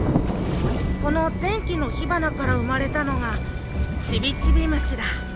この電気の火花から生まれたのがちびちび虫だ。